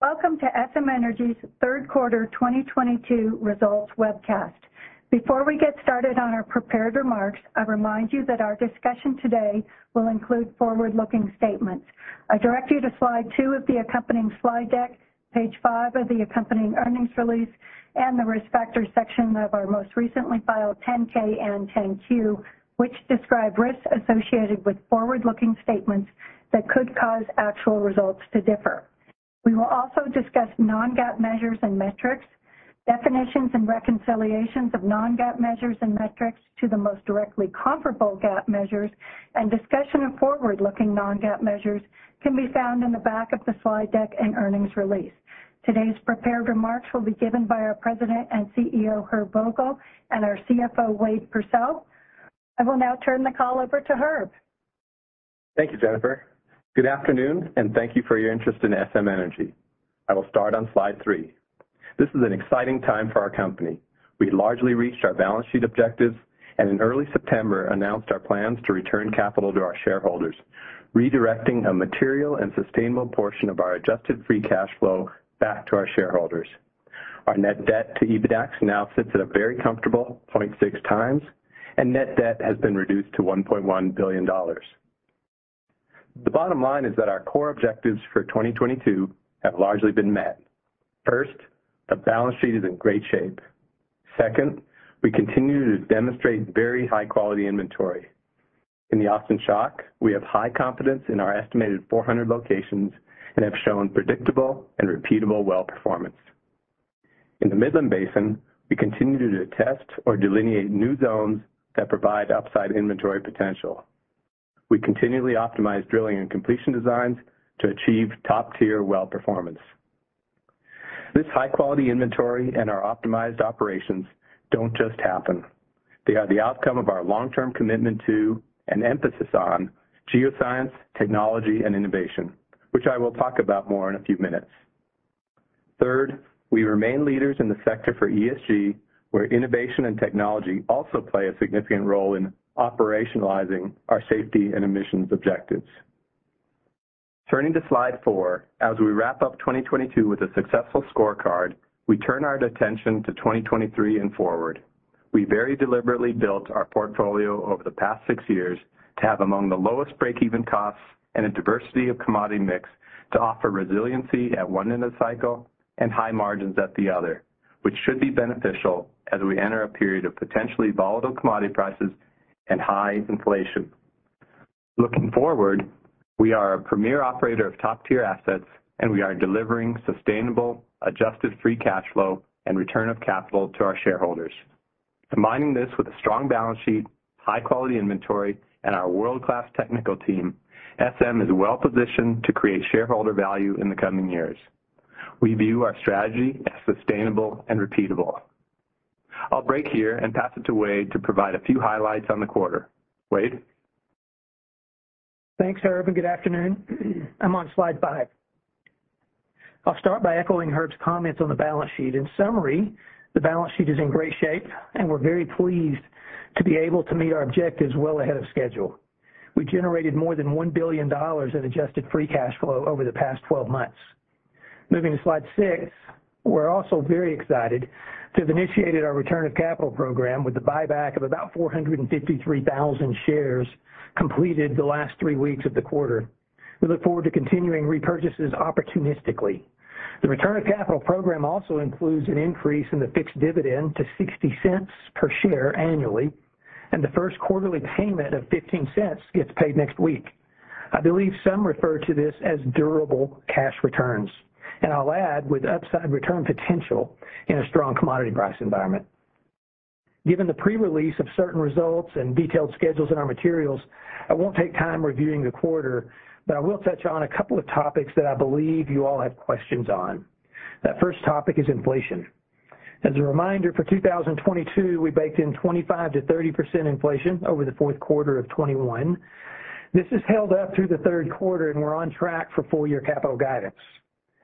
Welcome to SM Energy's third quarter 2022 results webcast. Before we get started on our prepared remarks, I remind you that our discussion today will include forward-looking statements. I direct you to slide 2 of the accompanying slide deck, page 5 of the accompanying earnings release, and the Risk Factors section of our most recently filed 10-K and 10-Q, which describe risks associated with forward-looking statements that could cause actual results to differ. We will also discuss non-GAAP measures and metrics. Definitions and reconciliations of non-GAAP measures and metrics to the most directly comparable GAAP measures and discussion of forward-looking non-GAAP measures can be found in the back of the slide deck and earnings release. Today's prepared remarks will be given by our President and CEO, Herb Vogel, and our CFO, Wade Pursell. I will now turn the call over to Herb. Thank you, Jennifer. Good afternoon, and thank you for your interest in SM Energy. I will start on slide 3. This is an exciting time for our company. We largely reached our balance sheet objectives, and in early September, announced our plans to return capital to our shareholders, redirecting a material and sustainable portion of our Adjusted Free Cash Flow back to our shareholders. Our net debt to EBITDAX now sits at a very comfortable 0.6x, and net debt has been reduced to $1.1 billion. The bottom line is that our core objectives for 2022 have largely been met. First, the balance sheet is in great shape. Second, we continue to demonstrate very high-quality inventory. In the Austin Chalk, we have high confidence in our estimated 400 locations and have shown predictable and repeatable well performance. In the Midland Basin, we continue to test or delineate new zones that provide upside inventory potential. We continually optimize drilling and completion designs to achieve top-tier well performance. This high-quality inventory and our optimized operations don't just happen. They are the outcome of our long-term commitment to, and emphasis on geoscience, technology, and innovation, which I will talk about more in a few minutes. Third, we remain leaders in the sector for ESG, where innovation and technology also play a significant role in operationalizing our safety and emissions objectives. Turning to slide 4, as we wrap up 2022 with a successful scorecard, we turn our attention to 2023 and forward. We very deliberately built our portfolio over the past six years to have among the lowest break-even costs and a diversity of commodity mix to offer resiliency at one end of cycle and high margins at the other, which should be beneficial as we enter a period of potentially volatile commodity prices and high inflation. Looking forward, we are a premier operator of top-tier assets, and we are delivering sustainable, Adjusted Free Cash Flow and return of capital to our shareholders. Combining this with a strong balance sheet, high-quality inventory, and our world-class technical team, SM is well-positioned to create shareholder value in the coming years. We view our strategy as sustainable and repeatable. I'll break here and pass it to Wade to provide a few highlights on the quarter. Wade? Thanks, Herb, and good afternoon. I'm on slide 5. I'll start by echoing Herb's comments on the balance sheet. In summary, the balance sheet is in great shape, and we're very pleased to be able to meet our objectives well ahead of schedule. We generated more than $1 billion in Adjusted Free Cash Flow over the past 12 months. Moving to slide 6. We're also very excited to have initiated our return of capital program with the buyback of about 453,000 shares completed the last 3 weeks of the quarter. We look forward to continuing repurchases opportunistically. The return of capital program also includes an increase in the fixed dividend to $0.60 per share annually, and the first quarterly payment of $0.15 gets paid next week. I believe some refer to this as durable cash returns, and I'll add, with upside return potential in a strong commodity price environment. Given the pre-release of certain results and detailed schedules in our materials, I won't take time reviewing the quarter, but I will touch on a couple of topics that I believe you all have questions on. That first topic is inflation. As a reminder, for 2022, we baked in 25%-30% inflation over the fourth quarter of 2021. This has held up through the third quarter, and we're on track for full-year capital guidance.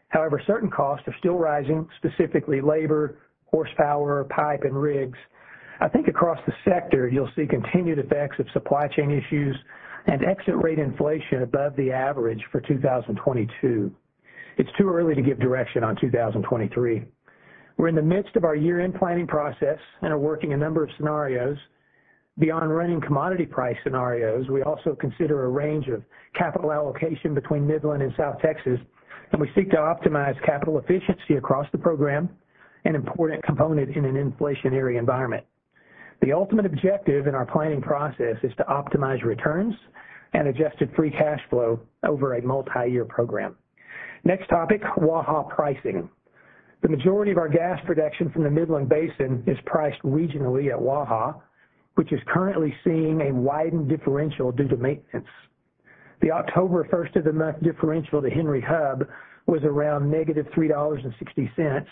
However, certain costs are still rising, specifically labor, horsepower, pipe, and rigs. I think across the sector, you'll see continued effects of supply chain issues and exit rate inflation above the average for 2022. It's too early to give direction on 2023. We're in the midst of our year-end planning process and are working a number of scenarios. Beyond running commodity price scenarios, we also consider a range of capital allocation between Midland and South Texas, and we seek to optimize capital efficiency across the program, an important component in an inflationary environment. The ultimate objective in our planning process is to optimize returns and Adjusted Free Cash Flow over a multiyear program. Next topic, Waha pricing. The majority of our gas production from the Midland Basin is priced regionally at Waha, which is currently seeing a widened differential due to maintenance. The October first-of-the-month differential to Henry Hub was around -$3.60,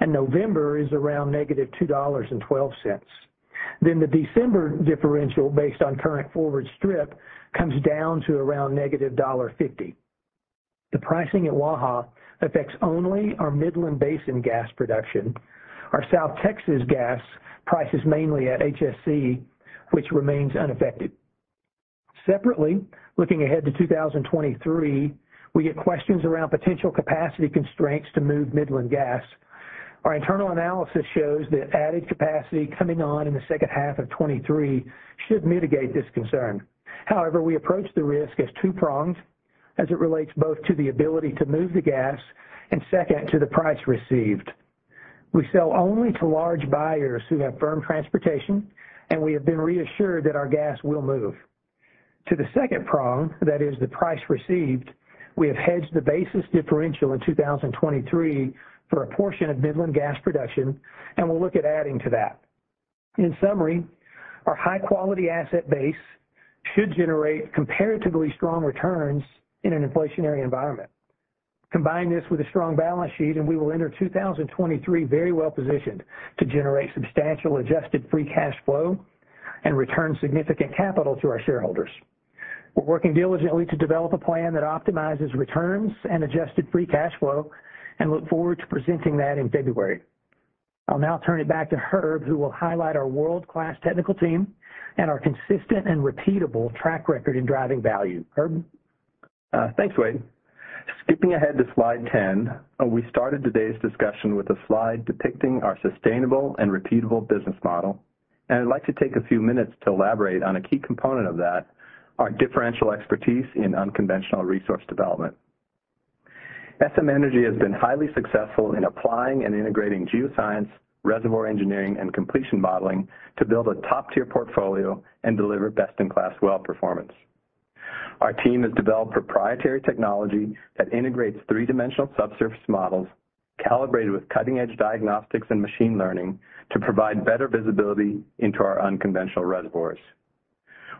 and November is around -$2.12. The December differential, based on current forward strip, comes down to around -$1.50. The pricing at Waha affects only our Midland Basin gas production. Our South Texas gas prices mainly at HSC, which remains unaffected. Separately, looking ahead to 2023, we get questions around potential capacity constraints to move Midland gas. Our internal analysis shows that added capacity coming on in the second half of 2023 should mitigate this concern. However, we approach the risk as two-pronged as it relates both to the ability to move the gas and second, to the price received. We sell only to large buyers who have firm transportation, and we have been reassured that our gas will move. To the second prong, that is the price received, we have hedged the basis differential in 2023 for a portion of Midland gas production, and we'll look at adding to that. In summary, our high-quality asset base should generate comparatively strong returns in an inflationary environment. Combine this with a strong balance sheet, and we will enter 2023 very well positioned to generate substantial Adjusted Free Cash Flow and return significant capital to our shareholders. We're working diligently to develop a plan that optimizes returns and Adjusted Free Cash Flow, and look forward to presenting that in February. I'll now turn it back to Herb, who will highlight our world-class technical team and our consistent and repeatable track record in driving value. Herb? Thanks, Wade. Skipping ahead to slide 10, we started today's discussion with a slide depicting our sustainable and repeatable business model, and I'd like to take a few minutes to elaborate on a key component of that, our differential expertise in unconventional resource development. SM Energy has been highly successful in applying and integrating geoscience, reservoir engineering, and completion modeling to build a top-tier portfolio and deliver best-in-class well performance. Our team has developed proprietary technology that integrates three-dimensional subsurface models calibrated with cutting-edge diagnostics and machine learning to provide better visibility into our unconventional reservoirs.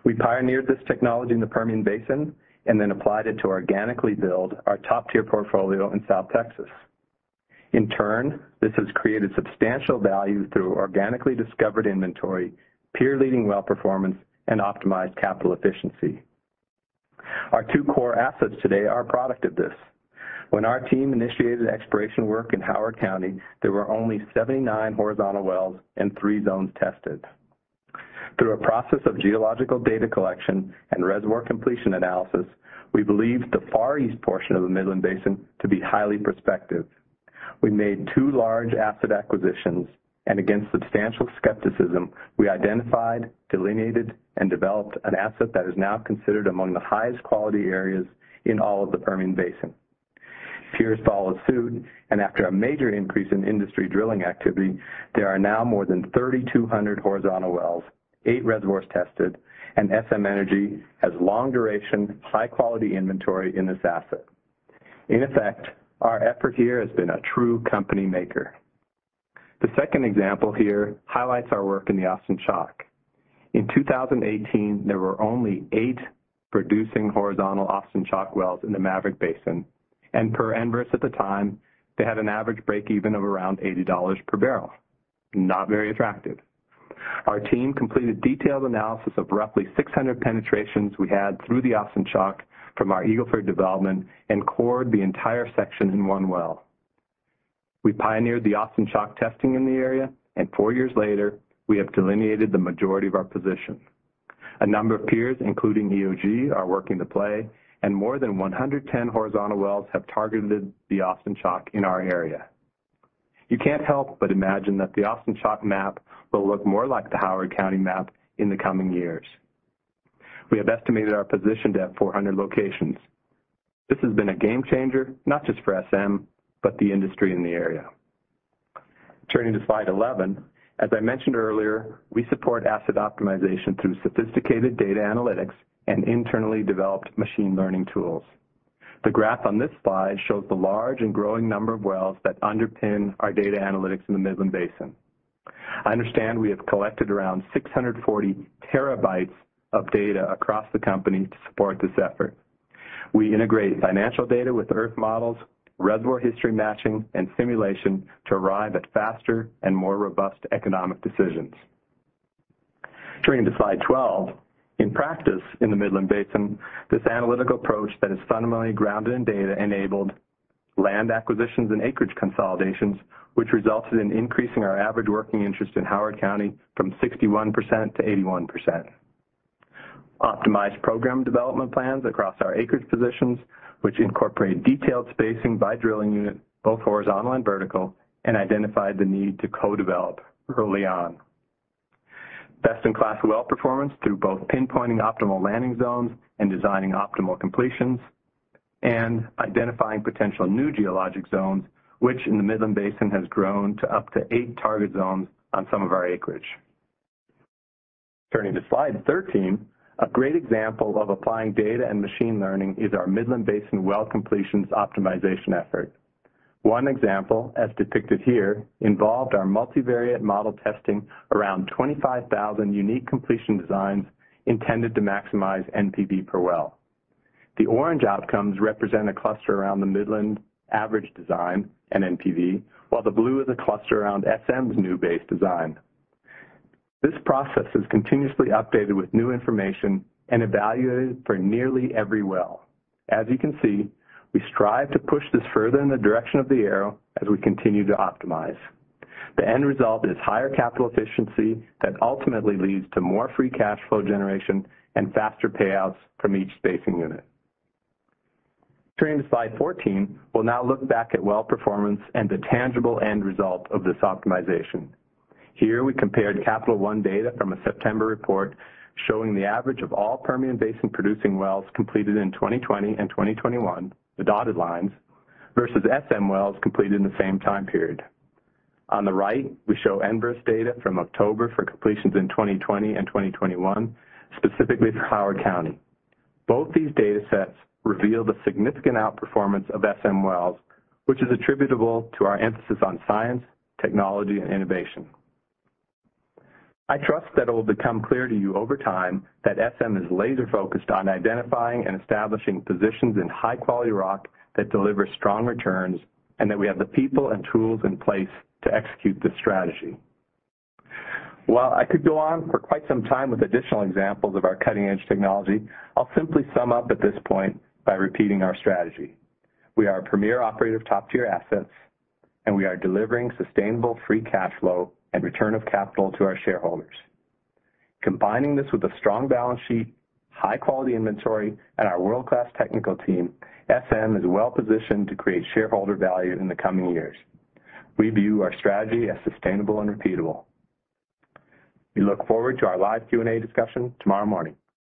We pioneered this technology in the Permian Basin and then applied it to organically build our top-tier portfolio in South Texas. In turn, this has created substantial value through organically discovered inventory, peer-leading well performance, and optimized capital efficiency. Our two core assets today are a product of this. When our team initiated exploration work in Howard County, there were only 79 horizontal wells and three zones tested. Through a process of geological data collection and reservoir completion analysis, we believed the far east portion of the Midland Basin to be highly prospective. We made two large asset acquisitions, and against substantial skepticism, we identified, delineated, and developed an asset that is now considered among the highest quality areas in all of the Permian Basin. Peers followed suit, and after a major increase in industry drilling activity, there are now more than 3,200 horizontal wells, eight reservoirs tested, and SM Energy has long duration, high-quality inventory in this asset. In effect, our effort here has been a true company maker. The second example here highlights our work in the Austin Chalk. In 2018, there were only eight producing horizontal Austin Chalk wells in the Maverick Basin, and per Enverus at the time, they had an average break even of around $80 per barrel. Not very attractive. Our team completed detailed analysis of roughly 600 penetrations we had through the Austin Chalk from our Eagle Ford development and cored the entire section in one well. We pioneered the Austin Chalk testing in the area, and 4 years later, we have delineated the majority of our position. A number of peers, including EOG, are working the play, and more than 110 horizontal wells have targeted the Austin Chalk in our area. You can't help but imagine that the Austin Chalk map will look more like the Howard County map in the coming years. We have estimated our position at 400 locations. This has been a game changer, not just for SM, but the industry in the area. Turning to slide 11, as I mentioned earlier, we support asset optimization through sophisticated data analytics and internally developed machine learning tools. The graph on this slide shows the large and growing number of wells that underpin our data analytics in the Midland Basin. I understand we have collected around 640 TB of data across the company to support this effort. We integrate financial data with earth models, reservoir history matching, and simulation to arrive at faster and more robust economic decisions. Turning to slide 12, in practice in the Midland Basin, this analytical approach that is fundamentally grounded in data enabled land acquisitions and acreage consolidations, which resulted in increasing our average working interest in Howard County from 61% to 81%. Optimized program development plans across our acreage positions, which incorporate detailed spacing by drilling unit, both horizontal and vertical, and identified the need to co-develop early on. Best-in-class well performance through both pinpointing optimal landing zones and designing optimal completions and identifying potential new geologic zones, which in the Midland Basin has grown to up to 8 target zones on some of our acreage. Turning to slide 13, a great example of applying data and machine learning is our Midland Basin well completions optimization effort. One example, as depicted here, involved our multivariate model testing around 25,000 unique completion designs intended to maximize NPV per well. The orange outcomes represent a cluster around the Midland average design and NPV, while the blue is a cluster around SM's new base design. This process is continuously updated with new information and evaluated for nearly every well. As you can see, we strive to push this further in the direction of the arrow as we continue to optimize. The end result is higher capital efficiency that ultimately leads to more free cash flow generation and faster payouts from each spacing unit. Turning to slide 14, we'll now look back at well performance and the tangible end result of this optimization. Here, we compared Capital One data from a September report showing the average of all Permian Basin producing wells completed in 2020 and 2021, the dotted lines, versus SM wells completed in the same time period. On the right, we show Enverus data from October for completions in 2020 and 2021, specifically for Howard County. Both these datasets reveal the significant outperformance of SM wells, which is attributable to our emphasis on science, technology, and innovation. I trust that it will become clear to you over time that SM is laser-focused on identifying and establishing positions in high-quality rock that delivers strong returns, and that we have the people and tools in place to execute this strategy. While I could go on for quite some time with additional examples of our cutting-edge technology, I'll simply sum up at this point by repeating our strategy. We are a premier operator of top-tier assets, and we are delivering sustainable free cash flow and return of capital to our shareholders. Combining this with a strong balance sheet, high quality inventory, and our world-class technical team, SM is well positioned to create shareholder value in the coming years. We view our strategy as sustainable and repeatable. We look forward to our live Q&A discussion tomorrow morning.